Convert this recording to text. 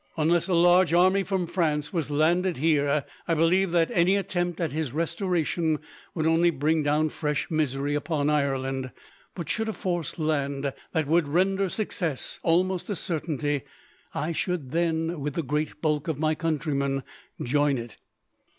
Unless a large army from France was landed here, I believe that any attempt at his restoration would only bring down fresh misery upon Ireland. But, should a force land that would render success almost a certainty, I should then, with the great bulk of my countrymen, join it."